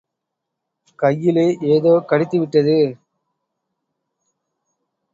கையிலே ஏதோ கடித்து விட்டது.